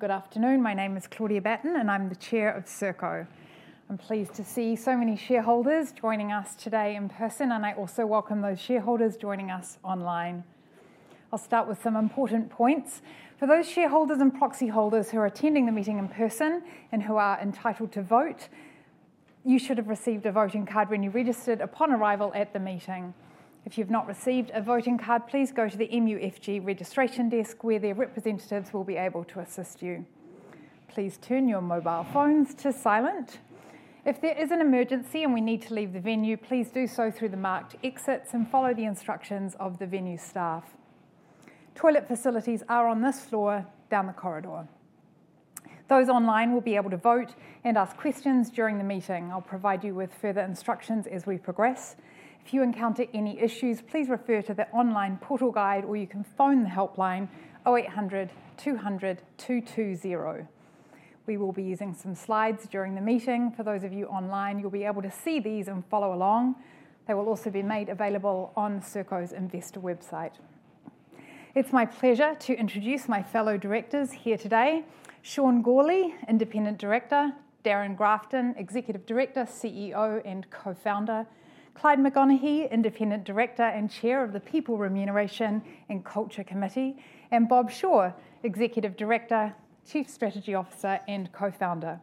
Good afternoon. My name is Claudia Batten, and I'm the Chair of Serko. I'm pleased to see so many shareholders joining us today in person, and I also welcome those shareholders joining us online. I'll start with some important points. For those shareholders and proxy holders who are attending the meeting in person and who are entitled to vote, you should have received a voting card when you registered upon arrival at the meeting. If you have not received a voting card, please go to the MUFG registration desk, where their representatives will be able to assist you. Please turn your mobile phones to silent. If there is an emergency and we need to leave the venue, please do so through the marked exits and follow the instructions of the venue staff. Toilet facilities are on this floor down the corridor. Those online will be able to vote and ask questions during the meeting. I'll provide you with further instructions as we progress. If you encounter any issues, please refer to the online portal guide, or you can phone the helpline 0800 200 220. We will be using some slides during the meeting. For those of you online, you'll be able to see these and follow along. They will also be made available on Serko's investor website. It's my pleasure to introduce my fellow directors here today: Sean Gourley, Independent Director; Darrin Grafton, Executive Director, CEO and Co-founder; Clyde McConaghy, Independent Director and Chair of the People Remuneration and Culture Committee; and Bob Shaw, Executive Director, Chief Strategy Officer and Co-founder.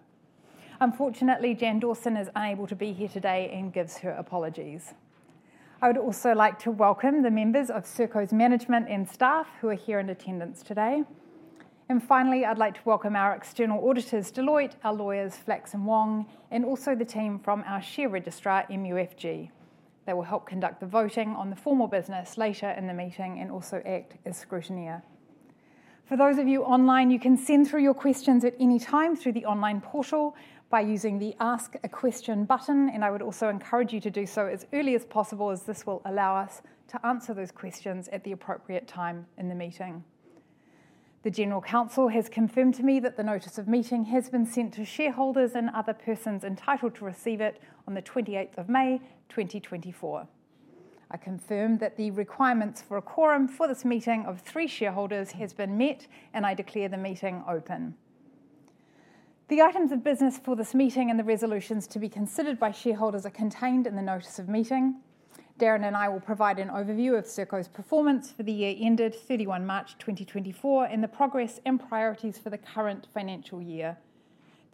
Unfortunately, Jan Dawson is unable to be here today and gives her apologies. I would also like to welcome the members of Serko's management and staff who are here in attendance today. And finally, I'd like to welcome our external auditors, Deloitte, our lawyers, Flacks & Wong, and also the team from our share registrar, MUFG. They will help conduct the voting on the formal business later in the meeting and also act as scrutineer. For those of you online, you can send through your questions at any time through the online portal by using the Ask a Question button, and I would also encourage you to do so as early as possible, as this will allow us to answer those questions at the appropriate time in the meeting. The General Counsel has confirmed to me that the notice of meeting has been sent to shareholders and other persons entitled to receive it on the 28th of May, 2024. I confirm that the requirements for a quorum for this meeting of three shareholders have been met, and I declare the meeting open. The items of business for this meeting and the resolutions to be considered by shareholders are contained in the notice of meeting. Darrin and I will provide an overview of Serko's performance for the year ended 31 March 2024 and the progress and priorities for the current financial year.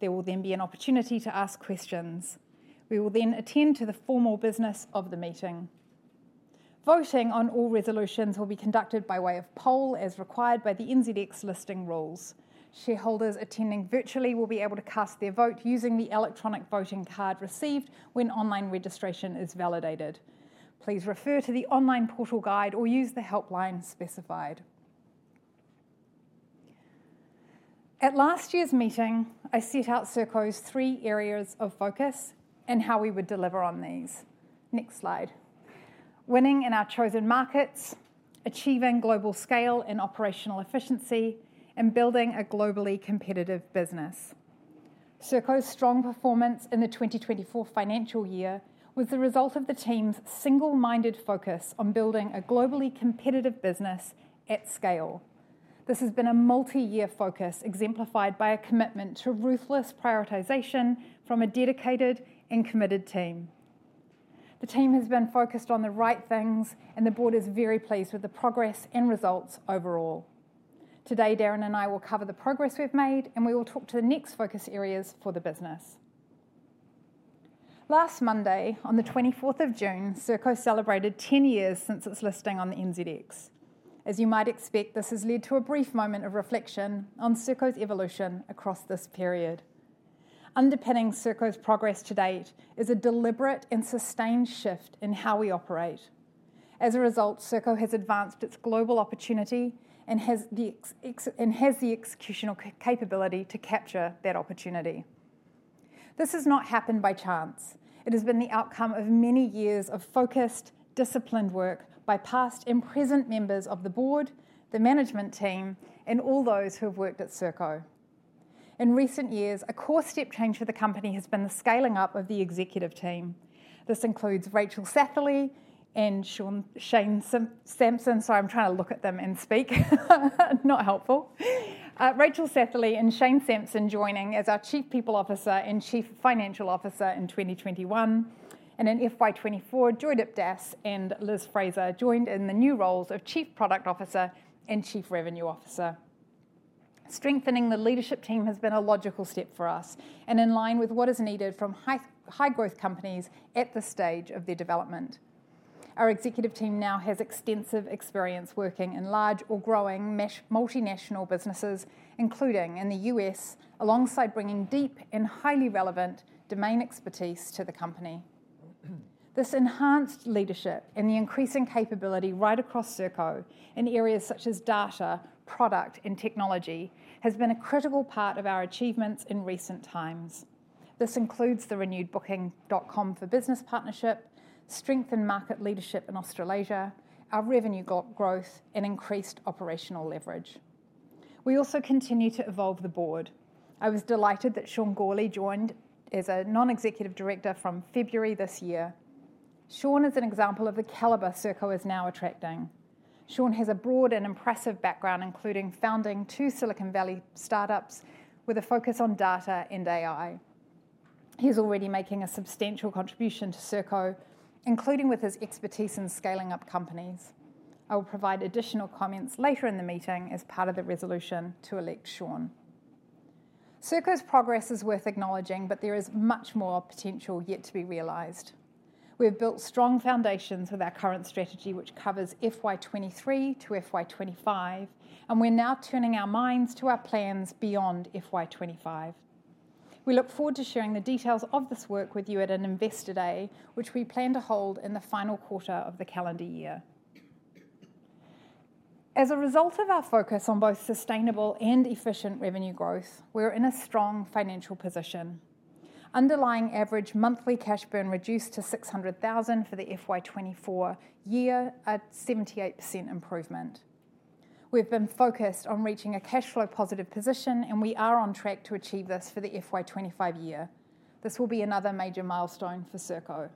There will then be an opportunity to ask questions. We will then attend to the formal business of the meeting. Voting on all resolutions will be conducted by way of poll, as required by the NZX listing rules. Shareholders attending virtually will be able to cast their vote using the electronic voting card received when online registration is validated. Please refer to the online portal guide or use the helpline specified. At last year's meeting, I set out Serko's three areas of focus and how we would deliver on these. Next slide. Winning in our chosen markets, achieving global scale and operational efficiency, and building a globally competitive business. Serko's strong performance in the 2024 financial year was the result of the team's single-minded focus on building a globally competitive business at scale. This has been a multi-year focus, exemplified by a commitment to ruthless prioritization from a dedicated and committed team. The team has been focused on the right things, and the board is very pleased with the progress and results overall. Today, Darrin and I will cover the progress we've made, and we will talk to the next focus areas for the business. Last Monday, on the 24th of June, Serko celebrated 10 years since its listing on the NZX. As you might expect, this has led to a brief moment of reflection on Serko's evolution across this period. Underpinning Serko's progress to date is a deliberate and sustained shift in how we operate. As a result, Serko has advanced its global opportunity and has the executional capability to capture that opportunity. This has not happened by chance. It has been the outcome of many years of focused, disciplined work by past and present members of the board, the management team, and all those who have worked at Serko. In recent years, a core step change for the company has been the scaling up of the executive team. This includes Rachel Sampson and Shane Sampson. Sorry, I'm trying to look at them and speak. Not helpful. Rachel Sampson and Shane Sampson joining as our Chief People Officer and Chief Financial Officer in 2021, and in FY24, Joydip Das and Liz Fraser joined in the new roles of Chief Product Officer and Chief Revenue Officer. Strengthening the leadership team has been a logical step for us and in line with what is needed from high-growth companies at this stage of their development. Our executive team now has extensive experience working in large or growing multinational businesses, including in the U.S., alongside bringing deep and highly relevant domain expertise to the company. This enhanced leadership and the increasing capability right across Serko in areas such as data, product, and technology has been a critical part of our achievements in recent times. This includes the renewed Booking.com for Business partnership, strengthened market leadership in Australasia, our revenue growth, and increased operational leverage. We also continue to evolve the board. I was delighted that Sean Gourley joined as a non-executive director from February this year. Sean is an example of the caliber Serko is now attracting. Sean has a broad and impressive background, including founding two Silicon Valley startups with a focus on data and AI. He's already making a substantial contribution to Serko, including with his expertise in scaling up companies. I will provide additional comments later in the meeting as part of the resolution to elect Sean. Serko's progress is worth acknowledging, but there is much more potential yet to be realized. We have built strong foundations with our current strategy, which covers FY23 to FY25, and we're now turning our minds to our plans beyond FY25. We look forward to sharing the details of this work with you at an Investor Day, which we plan to hold in the final quarter of the calendar year. As a result of our focus on both sustainable and efficient revenue growth, we're in a strong financial position. Underlying average monthly cash burn reduced to 600,000 for the FY24 year at 78% improvement. We've been focused on reaching a cash flow positive position, and we are on track to achieve this for the FY25 year. This will be another major milestone for Serko.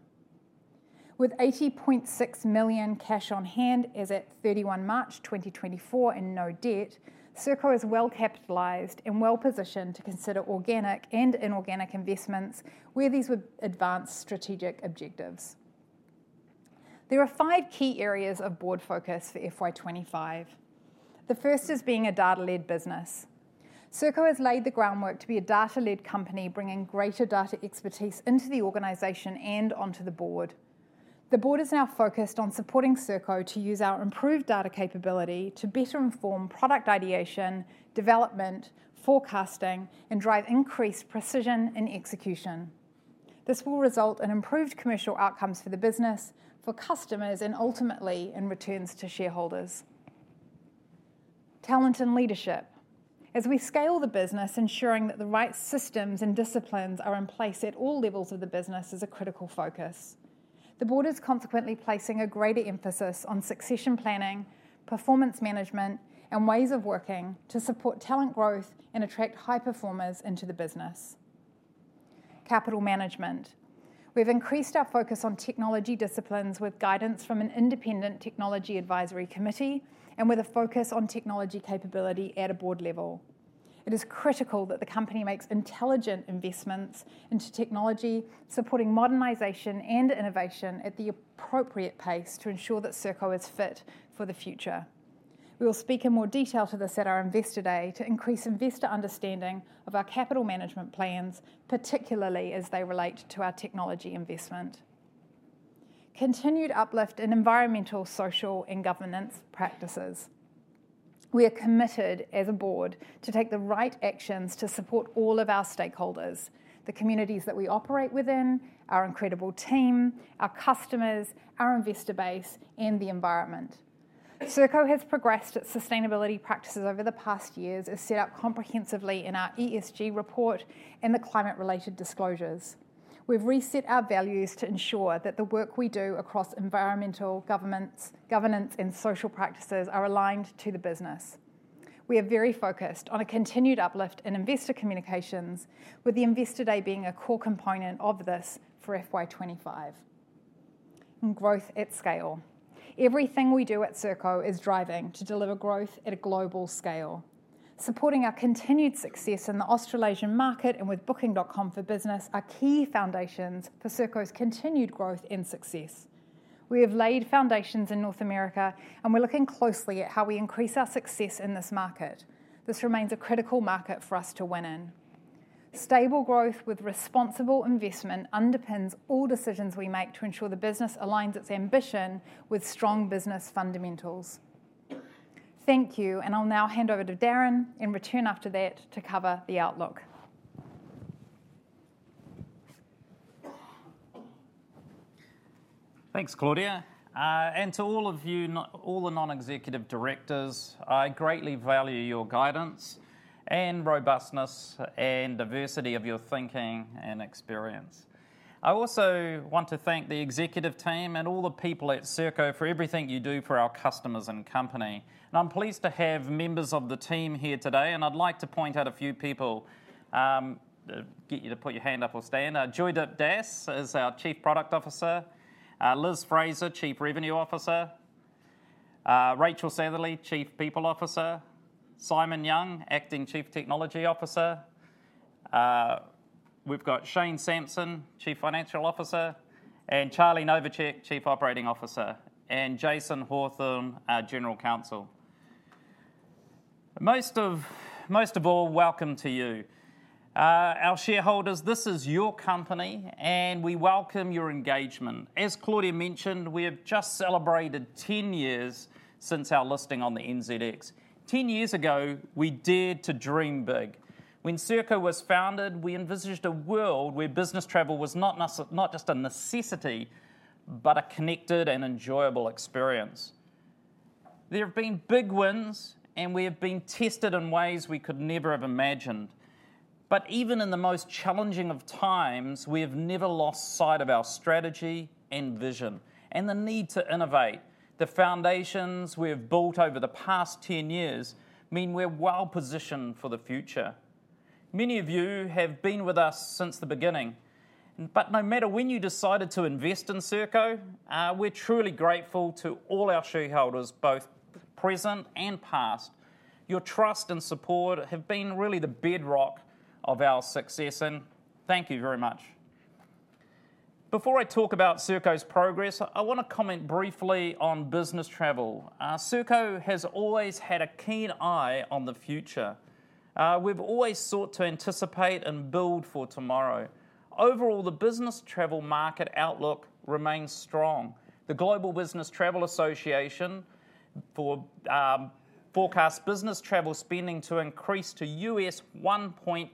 With 80.6 million cash on hand as at 31 March 2024 and no debt, Serko is well capitalized and well positioned to consider organic and inorganic investments where these would advance strategic objectives. There are five key areas of board focus for FY25. The first is being a data-led business. Serko has laid the groundwork to be a data-led company, bringing greater data expertise into the organization and onto the board. The board is now focused on supporting Serko to use our improved data capability to better inform product ideation, development, forecasting, and drive increased precision and execution. This will result in improved commercial outcomes for the business, for customers, and ultimately in returns to shareholders. Talent and leadership. As we scale the business, ensuring that the right systems and disciplines are in place at all levels of the business is a critical focus. The board is consequently placing a greater emphasis on succession planning, performance management, and ways of working to support talent growth and attract high performers into the business. Capital management. We have increased our focus on technology disciplines with guidance from an Independent Technology Advisory Committee and with a focus on technology capability at a board level. It is critical that the company makes intelligent investments into technology, supporting modernization and innovation at the appropriate pace to ensure that Serko is fit for the future. We will speak in more detail to this at our Investor Day to increase investor understanding of our capital management plans, particularly as they relate to our technology investment. Continued uplift in environmental, social, and governance practices. We are committed as a board to take the right actions to support all of our stakeholders, the communities that we operate within, our incredible team, our customers, our investor base, and the environment. Serko has progressed at sustainability practices over the past years as set up comprehensively in our ESG report and the climate-related disclosures. We've reset our values to ensure that the work we do across environmental governance and social practices are aligned to the business. We are very focused on a continued uplift in investor communications, with the Investor Day being a core component of this for FY25. Growth at scale. Everything we do at Serko is driving to deliver growth at a global scale. Supporting our continued success in the Australasian market and with Booking.com for Business are key foundations for Serko's continued growth and success. We have laid foundations in North America, and we're looking closely at how we increase our success in this market. This remains a critical market for us to win in. Stable growth with responsible investment underpins all decisions we make to ensure the business aligns its ambition with strong business fundamentals. Thank you, and I'll now hand over to Darrin and return after that to cover the outlook. Thanks, Claudia. And to all of you, all the non-executive directors, I greatly value your guidance and robustness and diversity of your thinking and experience. I also want to thank the executive team and all the people at Serko for everything you do for our customers and company. And I'm pleased to have members of the team here today, and I'd like to point out a few people to get you to put your hand up or stand. Joydip Das is our Chief Product Officer. Liz Fraser, Chief Revenue Officer. Rachel Sampson, Chief People Officer. Simon Young, Acting Chief Technology Officer. We've got Shane Sampson, Chief Financial Officer, and Charlie Novacek, Chief Operating Officer, and Jason Hawthorne, our General Counsel. Most of all, welcome to you. Our shareholders, this is your company, and we welcome your engagement. As Claudia mentioned, we have just celebrated 10 years since our listing on the NZX. Ten years ago, we dared to dream big. When Serko was founded, we envisaged a world where business travel was not just a necessity, but a connected and enjoyable experience. There have been big wins, and we have been tested in ways we could never have imagined. But even in the most challenging of times, we have never lost sight of our strategy and vision and the need to innovate. The foundations we have built over the past 10 years mean we're well positioned for the future. Many of you have been with us since the beginning, but no matter when you decided to invest in Serko, we're truly grateful to all our shareholders, both present and past. Your trust and support have been really the bedrock of our success, and thank you very much. Before I talk about Serko's progress, I want to comment briefly on business travel. Serko has always had a keen eye on the future. We've always sought to anticipate and build for tomorrow. Overall, the business travel market outlook remains strong. The Global Business Travel Association forecasts business travel spending to increase to $1.8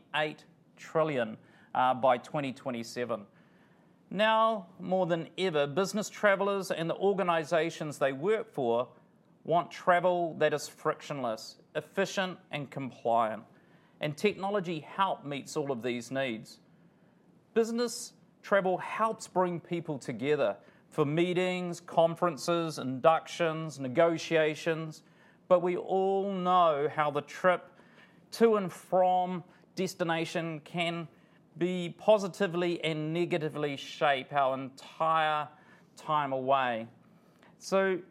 trillion by 2027. Now, more than ever, business travelers and the organizations they work for want travel that is frictionless, efficient, and compliant. And technology help meets all of these needs. Business travel helps bring people together for meetings, conferences, inductions, negotiations, but we all know how the trip to and from destination can be positively and negatively shape our entire time away.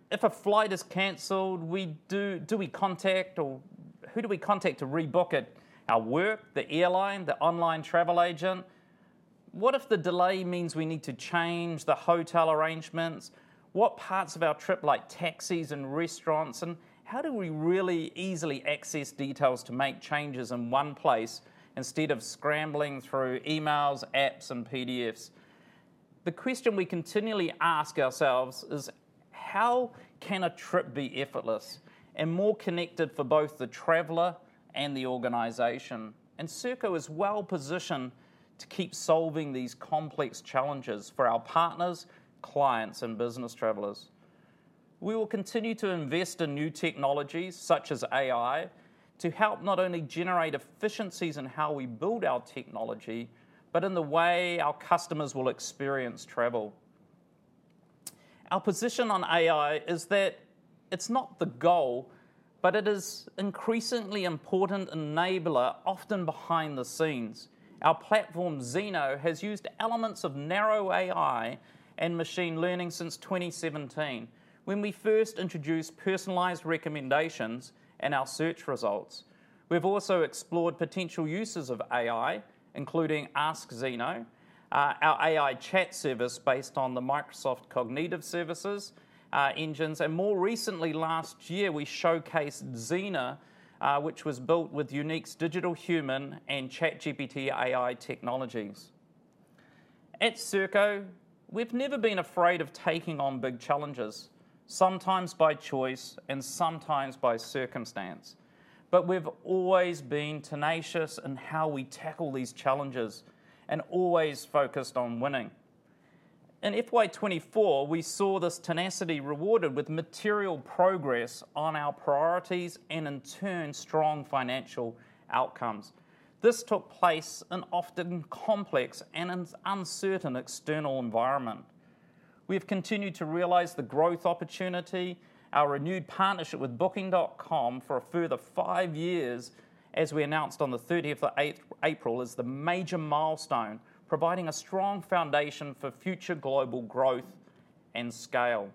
If a flight is canceled, do we contact or who do we contact to rebook it? Our work, the airline, the online travel agent? What if the delay means we need to change the hotel arrangements? What parts of our trip, like taxis and restaurants, and how do we really easily access details to make changes in one place instead of scrambling through emails, apps, and PDFs? The question we continually ask ourselves is, how can a trip be effortless and more connected for both the traveler and the organization? Serko is well positioned to keep solving these complex challenges for our partners, clients, and business travelers. We will continue to invest in new technologies such as AI to help not only generate efficiencies in how we build our technology, but in the way our customers will experience travel. Our position on AI is that it's not the goal, but it is an increasingly important enabler, often behind the scenes. Our platform, Zeno, has used elements of narrow AI and machine learning since 2017 when we first introduced personalized recommendations in our search results. We've also explored potential uses of AI, including Ask Zeno, our AI chat service based on the Microsoft Cognitive Services engines, and more recently, last year, we showcased Zena, which was built with UneeQ's digital human and ChatGPT AI technologies. At Serko, we've never been afraid of taking on big challenges, sometimes by choice and sometimes by circumstance, but we've always been tenacious in how we tackle these challenges and always focused on winning. In FY24, we saw this tenacity rewarded with material progress on our priorities and, in turn, strong financial outcomes. This took place in often complex and uncertain external environments. We have continued to realize the growth opportunity, our renewed partnership with Booking.com for a further five years, as we announced on the 30th of April, as the major milestone, providing a strong foundation for future global growth and scale.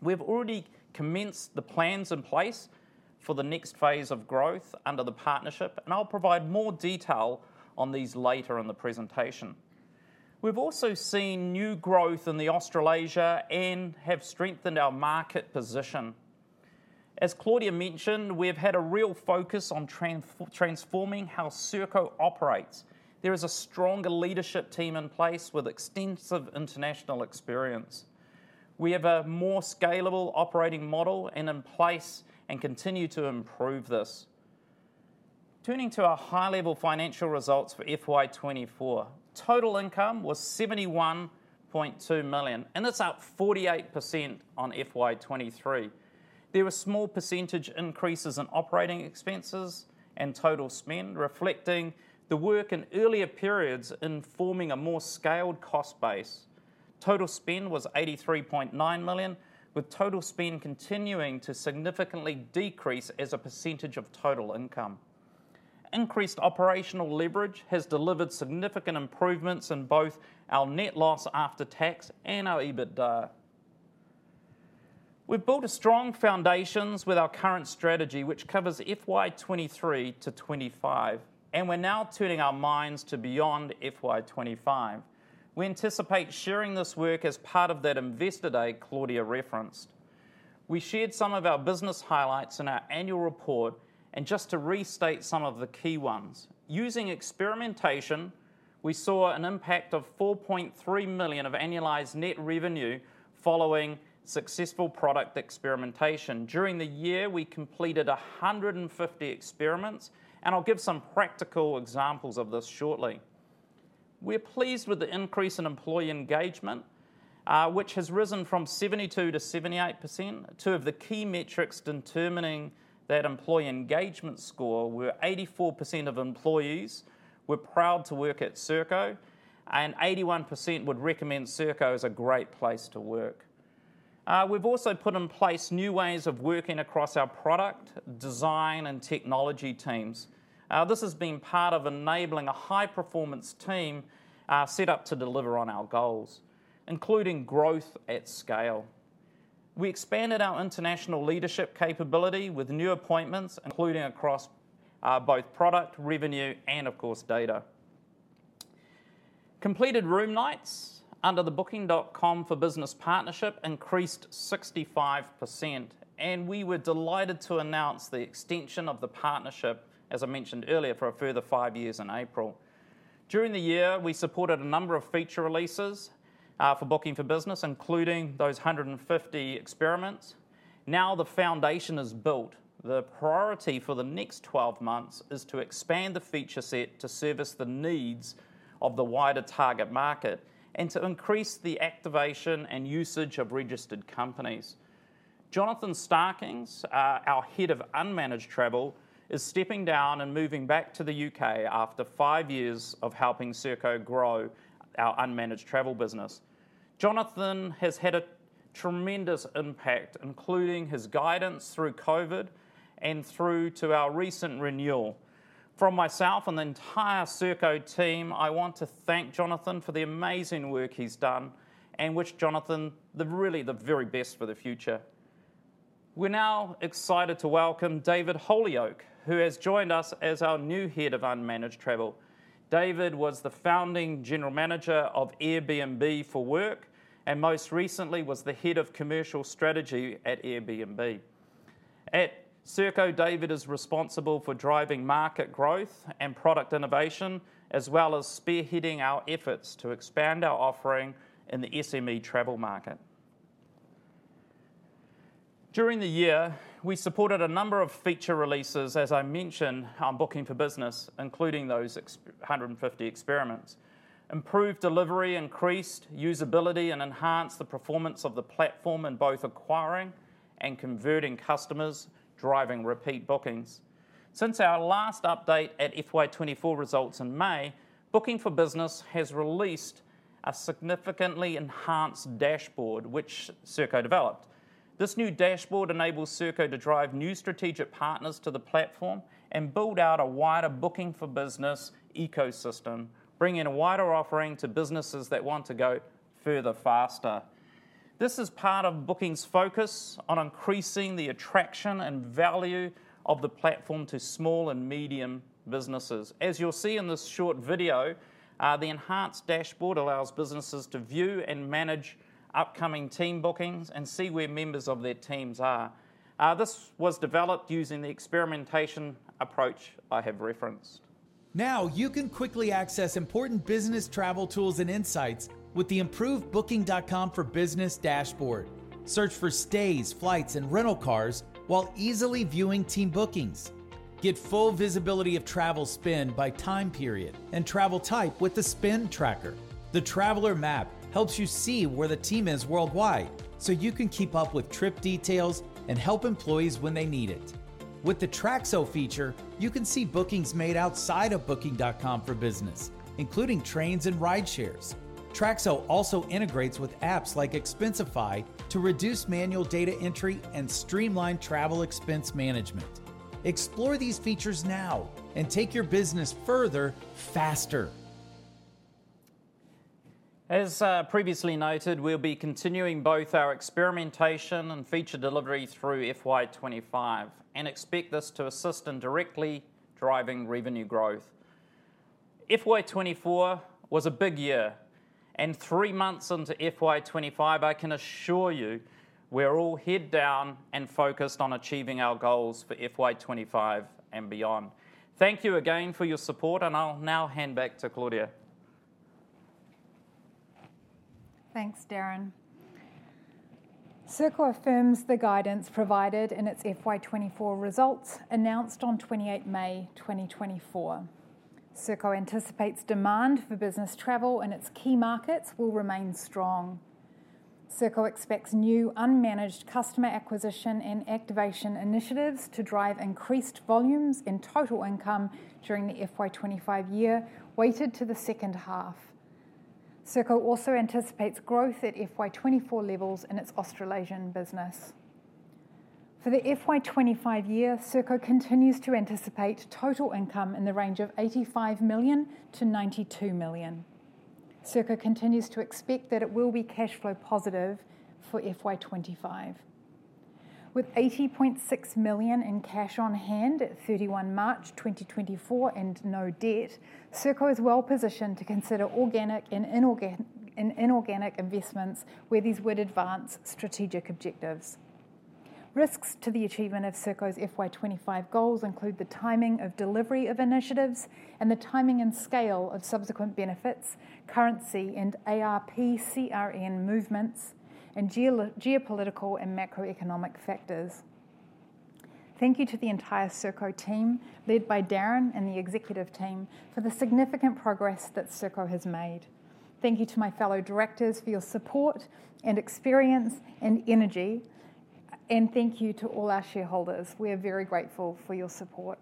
We've already commenced the plans in place for the next phase of growth under the partnership, and I'll provide more detail on these later in the presentation. We've also seen new growth in Australasia and have strengthened our market position. As Claudia mentioned, we have had a real focus on transforming how Serko operates. There is a stronger leadership team in place with extensive international experience. We have a more scalable operating model in place and continue to improve this. Turning to our high-level financial results for FY24, total income was 71.2 million, and that's up 48% on FY23. There were small percentage increases in operating expenses and total spend, reflecting the work in earlier periods in forming a more scaled cost base. Total spend was 83.9 million, with total spend continuing to significantly decrease as a percentage of total income. Increased operational leverage has delivered significant improvements in both our net loss after tax and our EBITDA. We've built a strong foundation with our current strategy, which covers FY2023 to 2025, and we're now turning our minds to beyond FY2025. We anticipate sharing this work as part of that Investor Day, Claudia referenced. We shared some of our business highlights in our annual report, and just to restate some of the key ones. Using experimentation, we saw an impact of 4.3 million of annualized net revenue following successful product experimentation. During the year, we completed 150 experiments, and I'll give some practical examples of this shortly. We're pleased with the increase in employee engagement, which has risen from 72% to 78%. Two of the key metrics determining that employee engagement score were 84% of employees were proud to work at Serko, and 81% would recommend Serko as a great place to work. We've also put in place new ways of working across our product design and technology teams. This has been part of enabling a high-performance team set up to deliver on our goals, including growth at scale. We expanded our international leadership capability with new appointments, including across both product, revenue, and, of course, data. Completed room nights under the Booking.com for Business partnership increased 65%, and we were delighted to announce the extension of the partnership, as I mentioned earlier, for a further 5 years in April. During the year, we supported a number of feature releases for Booking.com for Business, including those 150 experiments. Now the foundation is built. The priority for the next 12 months is to expand the feature set to service the needs of the wider target market and to increase the activation and usage of registered companies. Jonathan Starkings, our head of unmanaged travel, is stepping down and moving back to the U.K. after five years of helping Serko grow our unmanaged travel business. Jonathan has had a tremendous impact, including his guidance through COVID and through to our recent renewal. From myself and the entire Serko team, I want to thank Jonathan for the amazing work he's done and wish Jonathan really the very best for the future. We're now excited to welcome David Holyoke, who has joined us as our new head of unmanaged travel. David was the founding general manager of Airbnb for Work and most recently was the head of commercial strategy at Airbnb. At Serko, David is responsible for driving market growth and product innovation, as well as spearheading our efforts to expand our offering in the SME travel market. During the year, we supported a number of feature releases, as I mentioned on Booking.com for Business, including those 150 experiments. Improved delivery increased usability and enhanced the performance of the platform in both acquiring and converting customers, driving repeat bookings. Since our last update at FY 2024 results in May, Booking.com for Business has released a significantly enhanced dashboard, which Serko developed. This new dashboard enables Serko to drive new strategic partners to the platform and build out a wider Booking.com for Business ecosystem, bringing a wider offering to businesses that want to go further faster. This is part of Booking's focus on increasing the attraction and value of the platform to small and medium businesses. As you'll see in this short video, the enhanced dashboard allows businesses to view and manage upcoming team bookings and see where members of their teams are. This was developed using the experimentation approach I have referenced. Now you can quickly access important business travel tools and insights with the improved Booking.com for Business dashboard. Search for stays, flights, and rental cars while easily viewing team bookings. Get full visibility of travel spend by time period and travel type with the spend tracker. The Traveler Map helps you see where the team is worldwide, so you can keep up with trip details and help employees when they need it. With the Traxo feature, you can see bookings made outside of Booking.com for Business, including trains and rideshares. Traxo also integrates with apps like Expensify to reduce manual data entry and streamline travel expense management. Explore these features now and take your business further, faster. As previously noted, we'll be continuing both our experimentation and feature delivery through FY25 and expect this to assist and directly drive revenue growth. FY24 was a big year, and three months into FY25, I can assure you we're all head down and focused on achieving our goals for FY25 and beyond. Thank you again for your support, and I'll now hand back to Claudia. Thanks, Darrin. Serko affirms the guidance provided in its FY24 results announced on 28 May 2024. Serko anticipates demand for business travel in its key markets will remain strong. Serko expects new unmanaged customer acquisition and activation initiatives to drive increased volumes in total income during the FY25 year weighted to the second half. Serko also anticipates growth at FY24 levels in its Australasian business. For the FY25 year, Serko continues to anticipate total income in the range of 85 million-92 million. Serko continues to expect that it will be cash flow positive for FY25. With 80.6 million in cash on hand at 31 March 2024 and no debt, Serko is well positioned to consider organic and inorganic investments where these would advance strategic objectives. Risks to the achievement of Serko's FY25 goals include the timing of delivery of initiatives and the timing and scale of subsequent benefits, currency and ARPCRN movements, and geopolitical and macroeconomic factors. Thank you to the entire Serko team led by Darrin and the executive team for the significant progress that Serko has made. Thank you to my fellow directors for your support and experience and energy, and thank you to all our shareholders. We are very grateful for your support.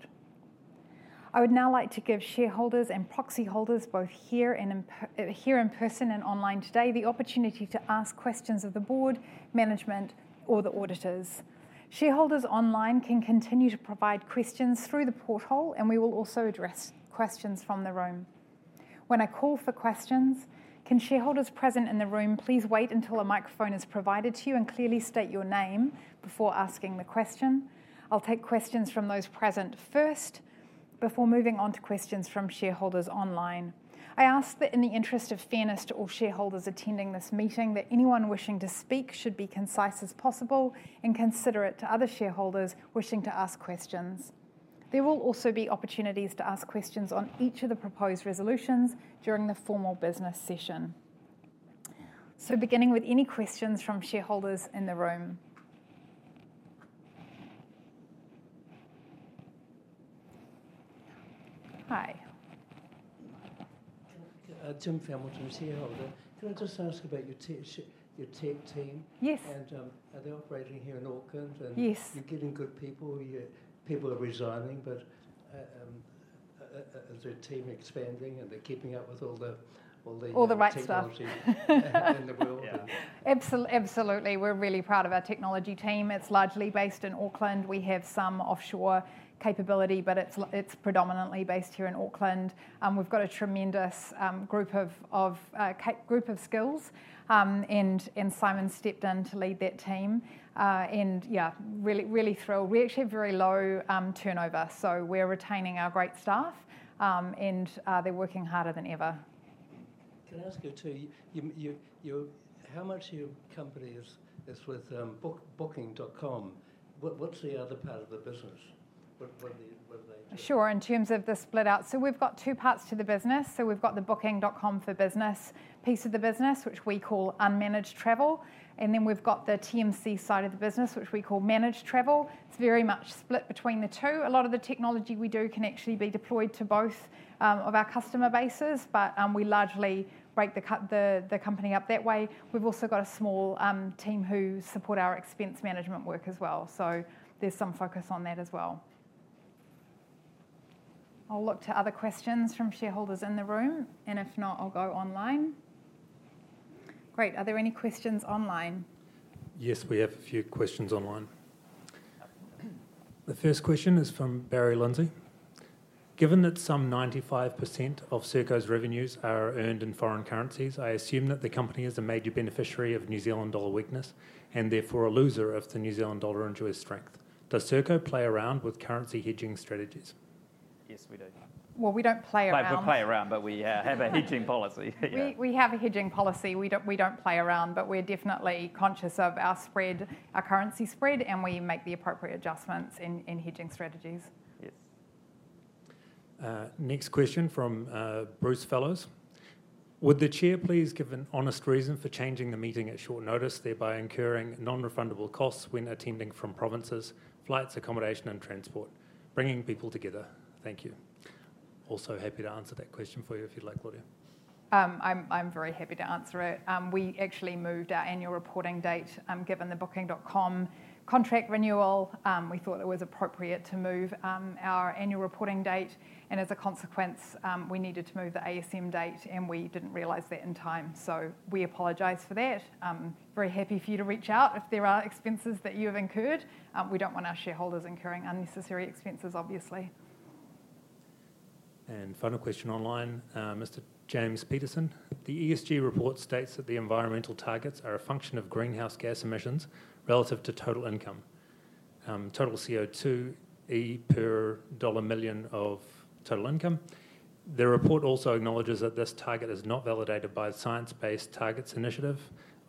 I would now like to give shareholders and proxy holders both here in person and online today the opportunity to ask questions of the board, management, or the auditors. Shareholders online can continue to provide questions through the portal, and we will also address questions from the room. When I call for questions, can shareholders present in the room please wait until a microphone is provided to you and clearly state your name before asking the question? I'll take questions from those present first before moving on to questions from shareholders online. I ask that in the interest of fairness to all shareholders attending this meeting, that anyone wishing to speak should be concise as possible and considerate to other shareholders wishing to ask questions. There will also be opportunities to ask questions on each of the proposed resolutions during the formal business session. So, beginning with any questions from shareholders in the room. Hi. Tim Famelton, shareholder. Can I just ask about your tech team? Yes. Are they operating here in Auckland? Yes. You're getting good people? People are resigning, but is their team expanding and they're keeping up with all the. All the right stuff. Technology in the world? Absolutely. We're really proud of our technology team. It's largely based in Auckland. We have some offshore capability, but it's predominantly based here in Auckland. We've got a tremendous group of skills, and Simon stepped in to lead that team. And yeah, really thrilled. We actually have very low turnover, so we're retaining our great staff, and they're working harder than ever. Can I ask you too, how much of your company is with Booking.com? What's the other part of the business? Sure. In terms of the split out, so we've got two parts to the business. So we've got the Booking.com for Business piece of the business, which we call unmanaged travel. And then we've got the TMC side of the business, which we call managed travel. It's very much split between the two. A lot of the technology we do can actually be deployed to both of our customer bases, but we largely break the company up that way. We've also got a small team who support our expense management work as well. So there's some focus on that as well. I'll look to other questions from shareholders in the room, and if not, I'll go online. Great. Are there any questions online? Yes, we have a few questions online. The first question is from Barry Lindsay. Given that some 95% of Serko's revenues are earned in foreign currencies, I assume that the company is a major beneficiary of New Zealand dollar weakness and therefore a loser if the New Zealand dollar enjoys strength. Does Serko play around with currency hedging strategies? Yes, we do. Well, we don't play around. We play around, but we have a hedging policy. We have a hedging policy. We don't play around, but we're definitely conscious of our spread, our currency spread, and we make the appropriate adjustments in hedging strategies. Yes. Next question from Bruce Fellows. Would the chair please give an honest reason for changing the meeting at short notice, thereby incurring non-refundable costs when attending from provinces, flights, accommodation, and transport, bringing people together? Thank you. Also happy to answer that question for you if you'd like, Claudia. I'm very happy to answer it. We actually moved our annual reporting date given the Booking.com contract renewal. We thought it was appropriate to move our annual reporting date, and as a consequence, we needed to move the ASM date, and we didn't realize that in time. So we apologize for that. Very happy for you to reach out if there are expenses that you have incurred. We don't want our shareholders incurring unnecessary expenses, obviously. Final question online, Mr. James Peterson. The ESG report states that the environmental targets are a function of greenhouse gas emissions relative to total income, total CO2e per dollar million of total income. The report also acknowledges that this target is not validated by the Science Based Targets initiative,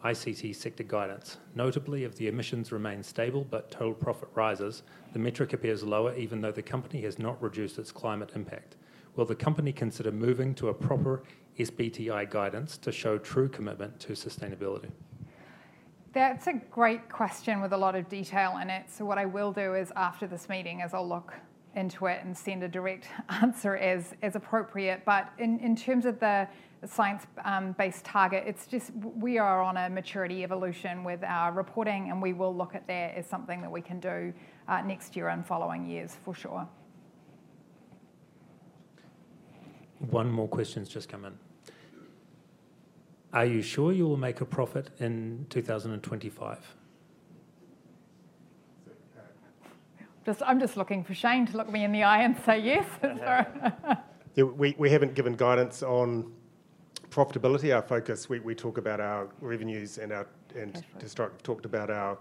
ICT sector guidance. Notably, if the emissions remain stable but total profit rises, the metric appears lower, even though the company has not reduced its climate impact. Will the company consider moving to a proper SBTi guidance to show true commitment to sustainability? That's a great question with a lot of detail in it. So what I will do is, after this meeting, I'll look into it and send a direct answer as appropriate. But in terms of the science-based target, it's just we are on a maturity evolution with our reporting, and we will look at that as something that we can do next year and following years, for sure. One more question has just come in. Are you sure you will make a profit in 2025? I'm just looking for Shane to look me in the eye and say yes. We haven't given guidance on profitability. Our focus, we talk about our revenues and talked about our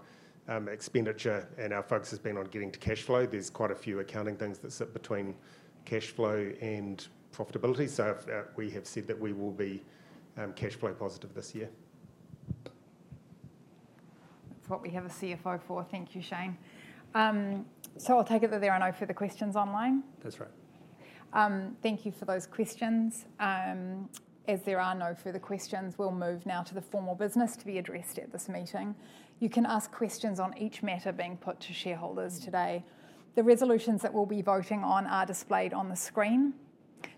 expenditure, and our focus has been on getting to cash flow. There's quite a few accounting things that sit between cash flow and profitability. So we have said that we will be cash flow positive this year. That's what we have a CFO for. Thank you, Shane. So I'll take it that there are no further questions online. That's right. Thank you for those questions. As there are no further questions, we'll move now to the formal business to be addressed at this meeting. You can ask questions on each matter being put to shareholders today. The resolutions that we'll be voting on are displayed on the screen.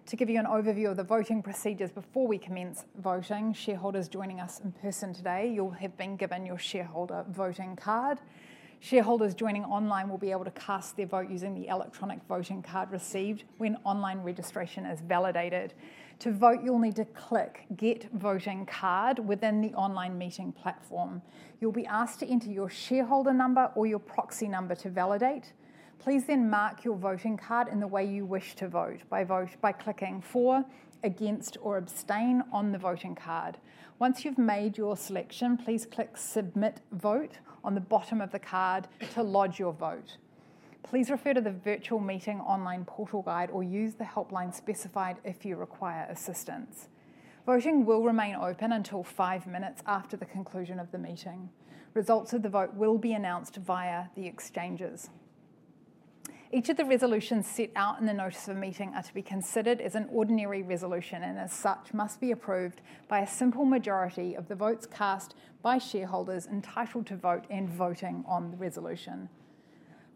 To give you an overview of the voting procedures before we commence voting, shareholders joining us in person today. You'll have been given your shareholder voting card. Shareholders joining online will be able to cast their vote using the electronic voting card received when online registration is validated. To vote, you'll need to click Get Voting Card within the online meeting platform. You'll be asked to enter your shareholder number or your proxy number to validate. Please then mark your voting card in the way you wish to vote by clicking For, Against, or Abstain on the voting card. Once you've made your selection, please click Submit Vote on the bottom of the card to lodge your vote. Please refer to the virtual meeting online portal guide or use the helpline specified if you require assistance. Voting will remain open until five minutes after the conclusion of the meeting. Results of the vote will be announced via the exchanges. Each of the resolutions set out in the notice of meeting are to be considered as an ordinary resolution and, as such, must be approved by a simple majority of the votes cast by shareholders entitled to vote and voting on the resolution.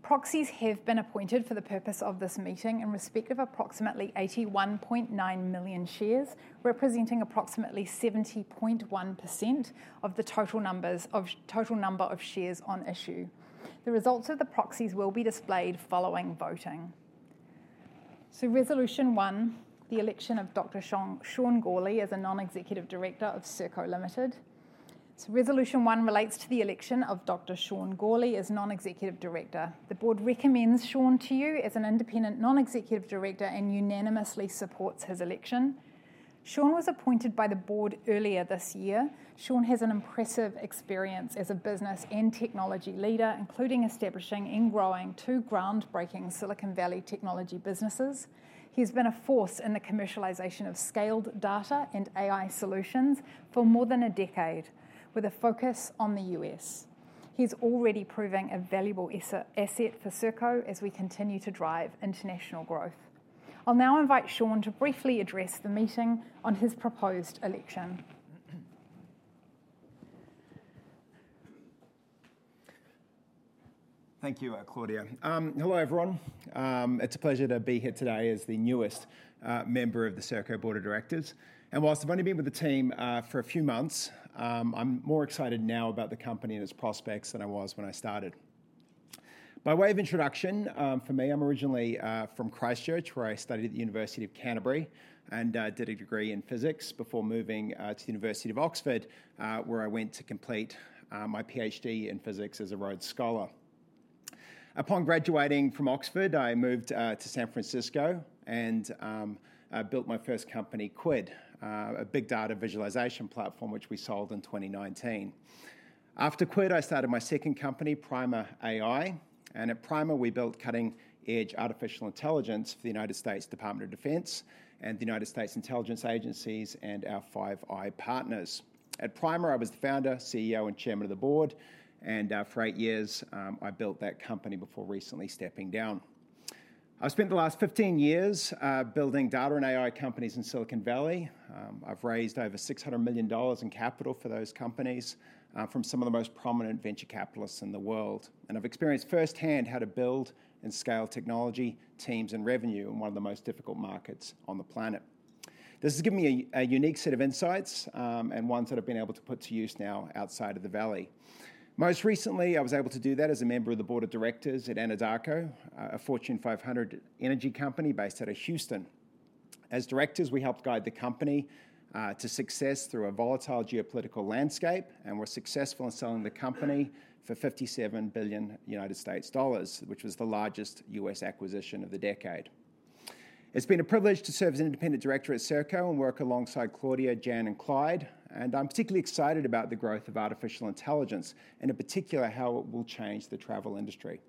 Proxies have been appointed for the purpose of this meeting in respect of approximately 81.9 million shares, representing approximately 70.1% of the total number of shares on issue. The results of the proxies will be displayed following voting. So Resolution One, the election of Dr. Sean Gourley as a non-executive director of Serko Limited. So Resolution One relates to the election of Dr. Sean Gourley as non-executive director. The board recommends Sean to you as an independent non-executive director and unanimously supports his election. Sean was appointed by the board earlier this year. Sean has an impressive experience as a business and technology leader, including establishing and growing two groundbreaking Silicon Valley technology businesses. He has been a force in the commercialization of scaled data and AI solutions for more than a decade, with a focus on the U.S. He's already proving a valuable asset for Serko as we continue to drive international growth. I'll now invite Sean to briefly address the meeting on his proposed election. Thank you, Claudia. Hello, everyone. It's a pleasure to be here today as the newest member of the Serko Board of Directors. Whilst I've only been with the team for a few months, I'm more excited now about the company and its prospects than I was when I started. By way of introduction for me, I'm originally from Christchurch, where I studied at the University of Canterbury and did a degree in physics before moving to the University of Oxford, where I went to complete my PhD in physics as a Rhodes Scholar. Upon graduating from Oxford, I moved to San Francisco and built my first company, Quid, a big data visualization platform which we sold in 2019. After Quid, I started my second company, Primer AI. At Primer, we built cutting-edge artificial intelligence for the United States Department of Defense and the United States intelligence agencies and our Five Eyes partners. At Primer, I was the founder, CEO, and chairman of the board. For 8 years, I built that company before recently stepping down. I've spent the last 15 years building data and AI companies in Silicon Valley. I've raised over $600 million in capital for those companies from some of the most prominent venture capitalists in the world. I've experienced firsthand how to build and scale technology, teams, and revenue in one of the most difficult markets on the planet. This has given me a unique set of insights and ones that I've been able to put to use now outside of the valley. Most recently, I was able to do that as a member of the board of directors at Anadarko, a Fortune 500 energy company based out of Houston. As directors, we helped guide the company to success through a volatile geopolitical landscape and were successful in selling the company for $57 billion, which was the largest U.S. acquisition of the decade. It's been a privilege to serve as an independent director at Serko and work alongside Claudia, Jan, and Clyde. I'm particularly excited about the growth of artificial intelligence and, in particular, how it will change the travel industry.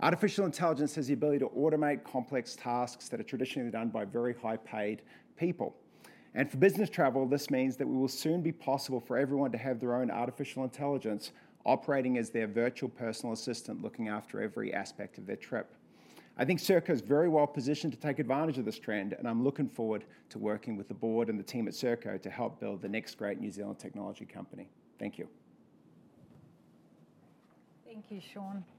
Artificial intelligence has the ability to automate complex tasks that are traditionally done by very high-paid people. For business travel, this means that it will soon be possible for everyone to have their own artificial intelligence operating as their virtual personal assistant looking after every aspect of their trip. I think Serko is very well positioned to take advantage of this trend, and I'm looking forward to working with the board and the team at Serko to help build the next great New Zealand technology company. Thank you. Thank you, Sean. Thank you,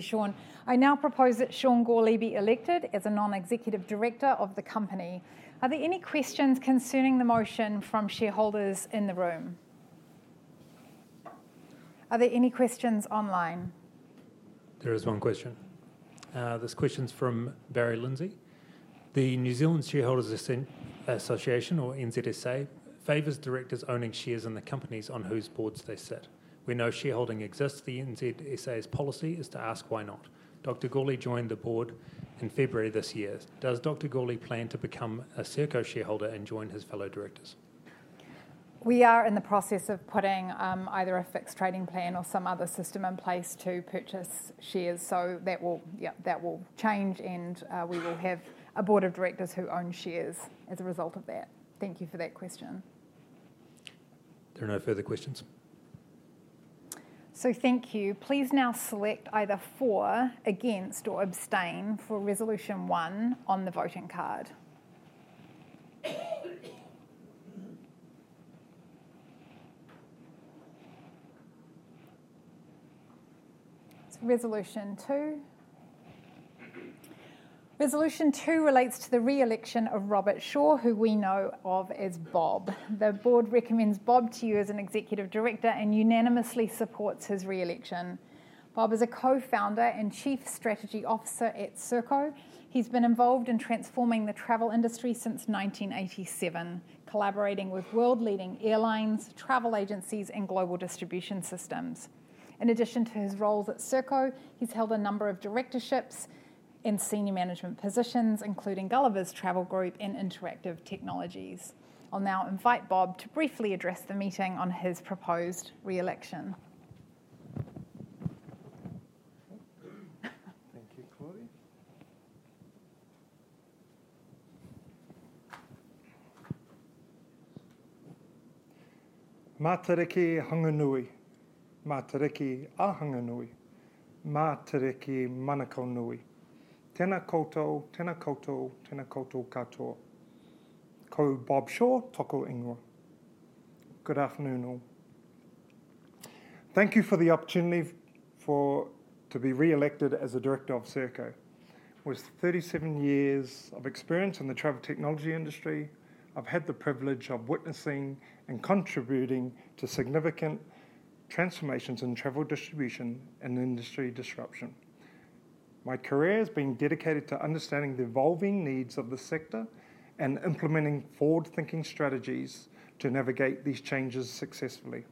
Sean. I now propose that Sean Gourley be elected as a non-executive director of the company. Are there any questions concerning the motion from shareholders in the room? Are there any questions online? There is one question. This question's from Barry Lindsay. The New Zealand Shareholders' Association, or NZSA, favors directors owning shares in the companies on whose boards they sit. We know shareholding exists. The NZSA's policy is to ask why not. Dr. Gourley joined the board in February this year. Does Dr. Gourley plan to become a Serko shareholder and join his fellow directors? We are in the process of putting either a fixed trading plan or some other system in place to purchase shares. So that will change, and we will have a board of directors who own shares as a result of that. Thank you for that question. There are no further questions. Thank you. Please now select either For, Against, or Abstain for Resolution One on the voting card. It's Resolution Two. Resolution Two relates to the re-election of Robert Shaw, who we know of as Bob. The board recommends Bob to you as an executive director and unanimously supports his re-election. Bob is a co-founder and Chief Strategy Officer at Serko. He's been involved in transforming the travel industry since 1987, collaborating with world-leading airlines, travel agencies, and global distribution systems. In addition to his roles at Serko, he's held a number of directorships in senior management positions, including Gullivers Travel Group and Interactive Technologies. I'll now invite Bob to briefly address the meeting on his proposed re-election. Thank you, Claudia. Good afternoon. Thank you for the opportunity to be re-elected as a director of Serko. With 37 years of experience in the travel technology industry, I've had the privilege of witnessing and contributing to significant transformations in travel distribution and industry disruption. My career has been dedicated to understanding the evolving needs of the sector and implementing forward-thinking strategies to navigate these changes successfully.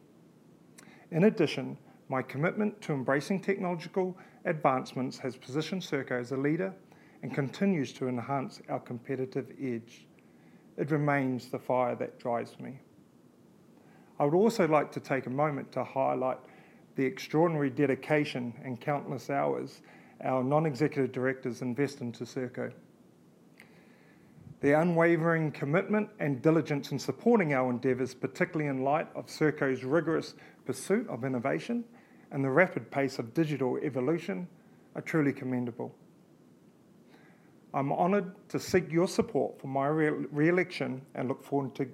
In addition, my commitment to embracing technological advancements has positioned Serko as a leader and continues to enhance our competitive edge. It remains the fire that drives me. I would also like to take a moment to highlight the extraordinary dedication and countless hours our non-executive directors invest into Serko. The unwavering commitment and diligence in supporting our endeavors, particularly in light of Serko's rigorous pursuit of innovation and the rapid pace of digital evolution, are truly commendable. I'm honored to seek your support for my re-election and look forward to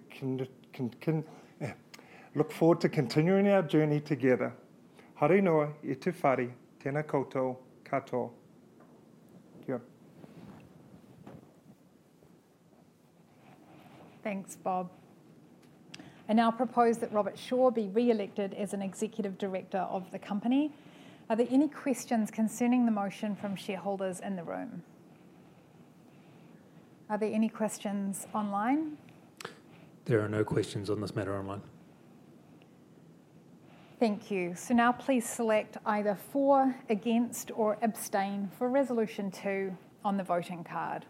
continuing our journey together. Thanks, Bob. I now propose that Robert Shaw be re-elected as an executive director of the company. Are there any questions concerning the motion from shareholders in the room? Are there any questions online? There are no questions on this matter online. Thank you. So now please select either For, Against, or Abstain for Resolution Two on the voting card.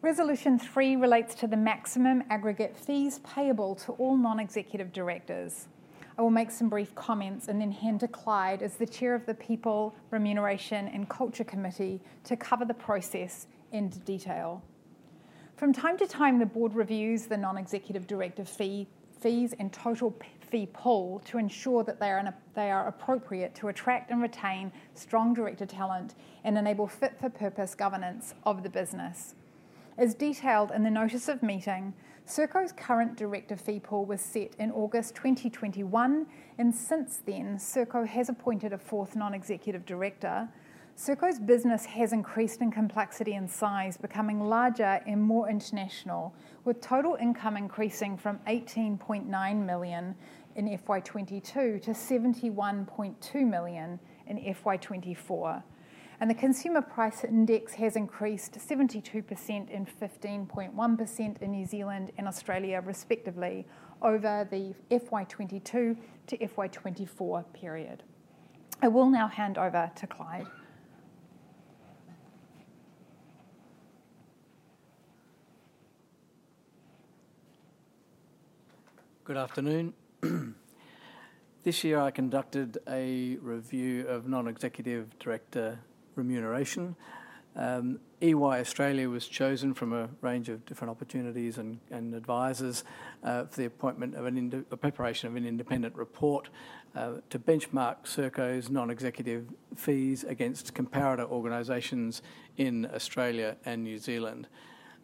Resolution Three relates to the maximum aggregate fees payable to all non-executive directors. I will make some brief comments and then hand to Clyde as the chair of the People, Remuneration, and Culture Committee to cover the process in detail. From time to time, the board reviews the non-executive director fees and total fee pool to ensure that they are appropriate to attract and retain strong director talent and enable fit-for-purpose governance of the business. As detailed in the notice of meeting, Serko's current director fee pool was set in August 2021, and since then, Serko has appointed a fourth non-executive director. Serko's business has increased in complexity and size, becoming larger and more international, with total income increasing from 18.9 million in FY22 to 71.2 million in FY24. The Consumer Price Index has increased 72% and 15.1% in New Zealand and Australia, respectively, over the FY22 to FY24 period. I will now hand over to Clyde. Good afternoon. This year, I conducted a review of non-executive director remuneration. EY Australia was chosen from a range of different opportunities and advisors for the preparation of an independent report to benchmark Serko's non-executive fees against comparator organizations in Australia and New Zealand.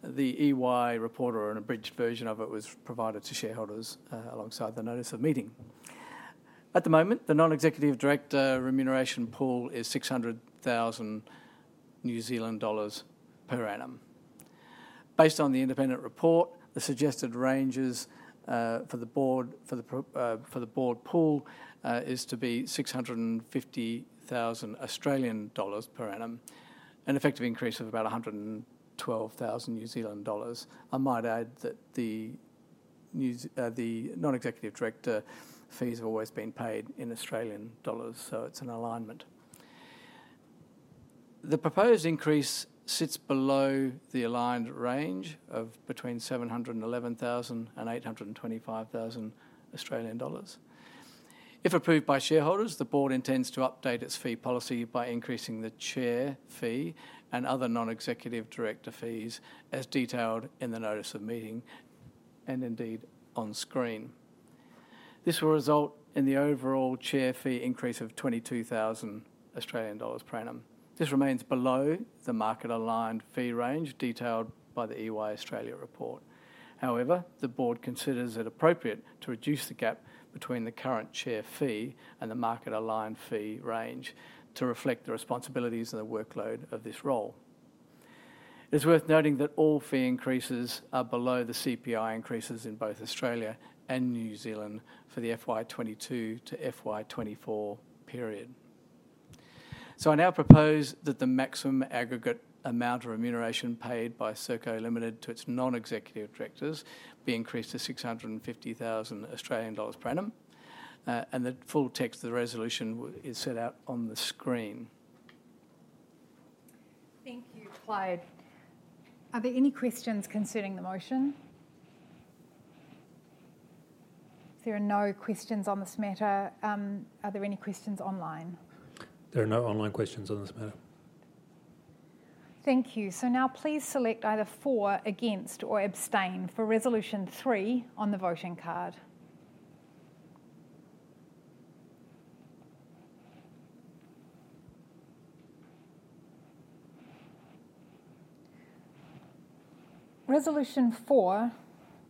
The EY report, or an abridged version of it, was provided to shareholders alongside the notice of meeting. At the moment, the non-executive director remuneration pool is 600,000 New Zealand dollars per annum. Based on the independent report, the suggested ranges for the board pool is to be 650,000 Australian dollars per annum, an effective increase of about 112,000 New Zealand dollars. I might add that the non-executive director fees have always been paid in Australian dollars, so it's an alignment. The proposed increase sits below the aligned range of between 711,000 and 825,000 Australian dollars. If approved by shareholders, the board intends to update its fee policy by increasing the chair fee and other non-executive director fees as detailed in the notice of meeting and indeed on screen. This will result in the overall chair fee increase of 22,000 Australian dollars per annum. This remains below the market-aligned fee range detailed by the EY Australia report. However, the board considers it appropriate to reduce the gap between the current chair fee and the market-aligned fee range to reflect the responsibilities and the workload of this role. It is worth noting that all fee increases are below the CPI increases in both Australia and New Zealand for the FY2022 to FY2024 period. So I now propose that the maximum aggregate amount of remuneration paid by Serko Limited to its non-executive directors be increased to 650,000 Australian dollars per annum. The full text of the resolution is set out on the screen. Thank you, Clyde. Are there any questions concerning the motion? There are no questions on this matter. Are there any questions online? There are no online questions on this matter. Thank you. So now please select either For, Against, or Abstain for Resolution Three on the voting card. Resolution Four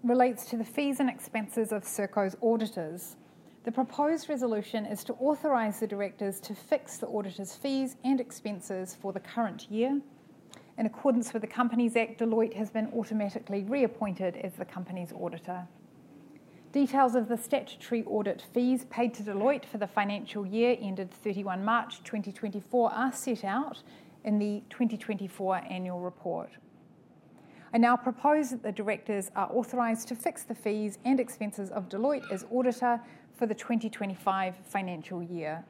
relates to the fees and expenses of Serko's auditors. The proposed resolution is to authorize the directors to fix the auditors' fees and expenses for the current year. In accordance with the Companies Act, Deloitte has been automatically reappointed as the company's auditor. Details of the statutory audit fees paid to Deloitte for the financial year ended 31 March 2024 are set out in the 2024 annual report. I now propose that the directors are authorized to fix the fees and expenses of Deloitte as auditor for the 2025 financial year.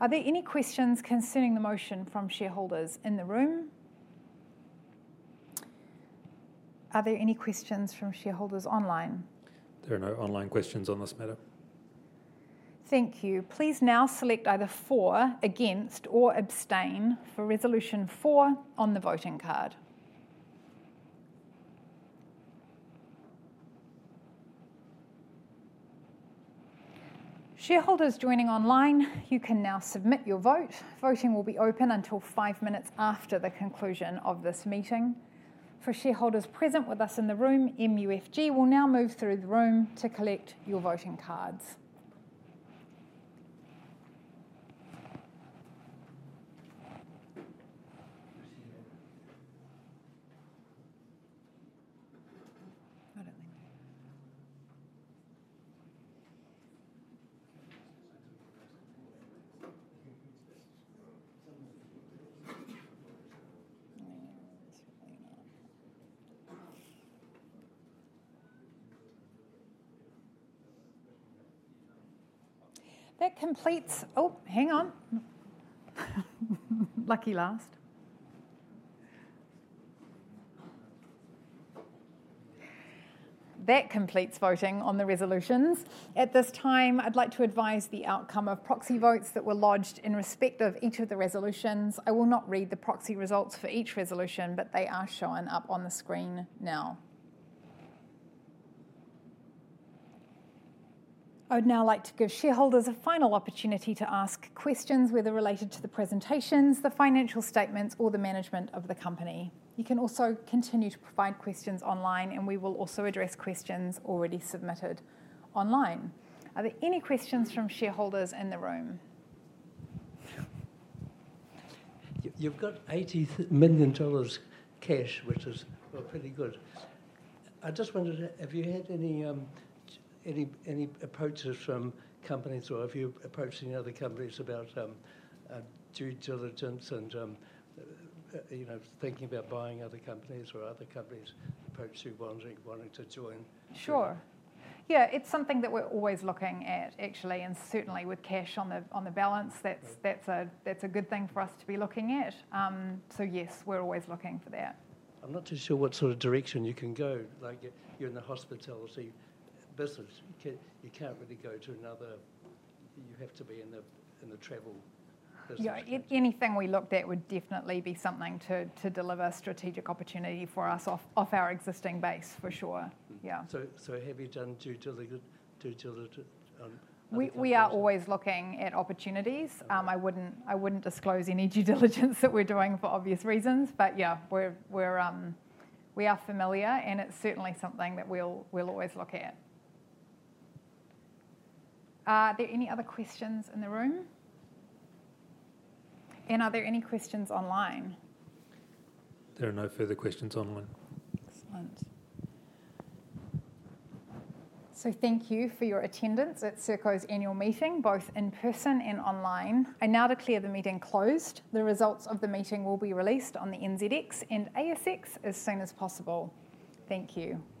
Are there any questions concerning the motion from shareholders in the room? Are there any questions from shareholders online? There are no online questions on this matter. Thank you. Please now select either For, Against, or Abstain for Resolution Four on the voting card. Shareholders joining online, you can now submit your vote. Voting will be open until five minutes after the conclusion of this meeting. For shareholders present with us in the room, MUFG will now move through the room to collect your voting cards. That completes - oh, hang on. Lucky last. That completes voting on the resolutions. At this time, I'd like to advise the outcome of proxy votes that were lodged in respect of each of the resolutions. I will not read the proxy results for each resolution, but they are showing up on the screen now. I would now like to give shareholders a final opportunity to ask questions, whether related to the presentations, the financial statements, or the management of the company. You can also continue to provide questions online, and we will also address questions already submitted online. Are there any questions from shareholders in the room? You've got 80 million dollars cash, which is pretty good. I just wondered, have you had any approaches from companies, or have you approached any other companies about due diligence and thinking about buying other companies, or other companies approaching wanting to join? Sure. Yeah, it's something that we're always looking at, actually, and certainly with cash on the balance, that's a good thing for us to be looking at. So yes, we're always looking for that. I'm not too sure what sort of direction you can go. You're in the hospitality business. You can't really go to another—you have to be in the travel business. Anything we looked at would definitely be something to deliver a strategic opportunity for us off our existing base, for sure. Yeah. So have you done due diligence? We are always looking at opportunities. I wouldn't disclose any due diligence that we're doing for obvious reasons, but yeah, we are familiar, and it's certainly something that we'll always look at. Are there any other questions in the room? Are there any questions online? There are no further questions online. Excellent. So thank you for your attendance at Serko's annual meeting, both in person and online. And now to declare the meeting closed. The results of the meeting will be released on the NZX and ASX as soon as possible. Thank you.